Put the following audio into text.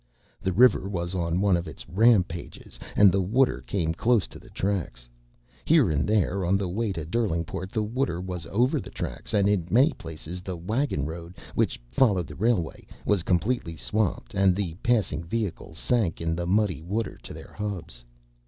The river was on one of its "rampages" and the water came close to the tracks. Here and there, on the way to Derlingport, the water was over the tracks, and in many places the wagon road, which followed the railway, was completely swamped, and the passing vehicles sank in the muddy water to their hubs.